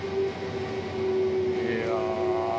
いや。